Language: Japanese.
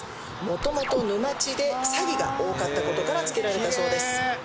もともと沼地で鷺が多かったことからつけられたそうです